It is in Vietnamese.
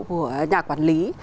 của nhà quản lý